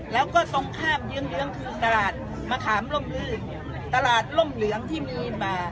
แล้วก็ตรงข้ามเยื้องคือตลาดมะขามล่มลื่นตลาดร่มเหลืองที่มีมา